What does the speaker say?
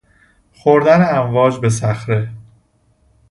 خوردن امواج به صخره